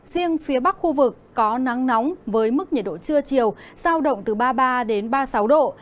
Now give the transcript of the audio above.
riêng phía bắc khu vực có nắng nóng với mức nhiệt độ trưa chiều giao động từ ba mươi ba đến ba mươi sáu độ